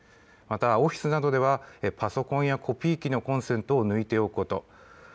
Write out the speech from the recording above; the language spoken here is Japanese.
またオフィスなどではパソコンやコピー機などのコンセントを抜いておくこと。